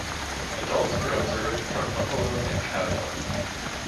Adults are observed from buffalo and cow dung.